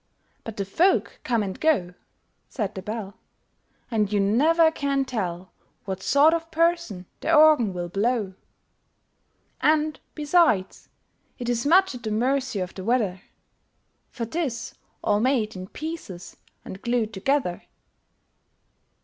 But the folk come and go, Said the Bell, And you never can tell What sort of person the Organ will blow! And, besides, it is much at the mercy of the weather For 'tis all made in pieces and glued together!